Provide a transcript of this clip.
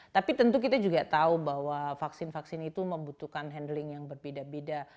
tapi tentu kita juga tahu bahwa vaksin vaksin itu membutuhkan handling yang berbeda beda